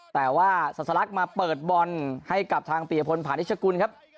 แต่ว่าสัสลักมาเปิดบอลให้กับทางปียพลผ่านนิชกุลครับ